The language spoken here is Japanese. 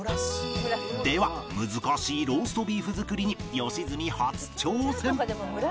では難しいローストビーフ作りに良純初挑戦